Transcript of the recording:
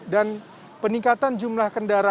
dan peningkatan jumlah kendaraan